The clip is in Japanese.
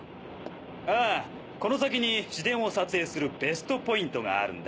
ああこの先に市電を撮影するベストポイントがあるんだ。